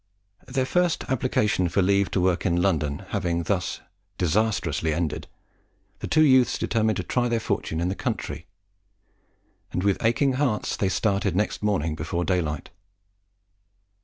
Their first application for leave to work in London having thus disastrously ended, the two youths determined to try their fortune in the country, and with aching hearts they started next morning before daylight.